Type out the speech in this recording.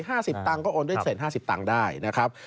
ใช่๕๐ตังค์ก็โอนด้วย๑๐๕๐ตังค์ได้นะครับ